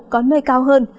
có nơi cao hơn